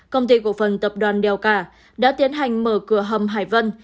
công ty cổ phần tập đoàn đèo cả đã tiến hành mở cửa hầm hải vân